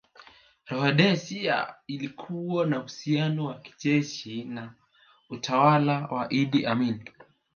Rhodesia ilikuwa na uhusiano wa kijeshi na utawala wa Idi Amin